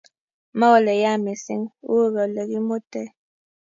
Ma ole yaa mising, uu olegimute.